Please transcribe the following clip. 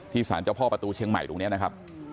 สารเจ้าพ่อประตูเชียงใหม่ตรงนี้นะครับ